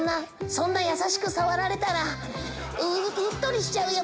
そんな優しく触られたらうっとりしちゃうよ